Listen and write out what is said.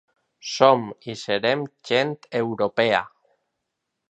Som i serem gent europea!